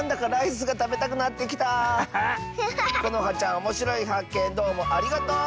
このはちゃんおもしろいはっけんどうもありがとう！